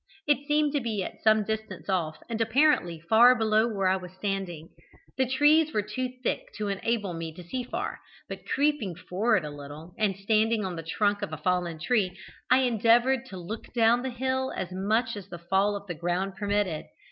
It seemed to be at some distance off, and apparently far below where I was standing. The trees were too thick to enable me to see far, but creeping forward a little, and standing on the trunk of a fallen tree, I endeavoured to look down the hill as much as the fall of the ground permitted.